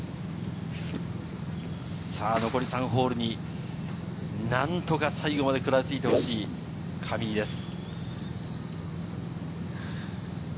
残り３ホールになんとか最後まで食らいついてほしい上井です。